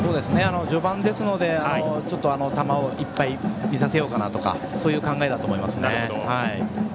序盤ですのでちょっと球をいっぱい見させようかなとかそういう考えだと思います。